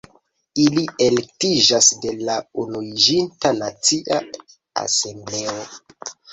Ili elektiĝas de la Unuiĝinta Nacia Asembleo.